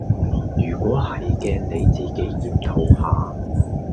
如果係既你自己檢討下